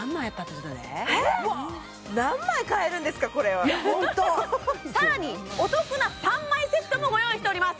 何枚買えるんですかこれをいやホント更にお得な３枚セットもご用意しております